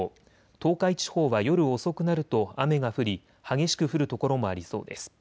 東海地方は夜遅くなると雨が降り激しく降る所もありそうです。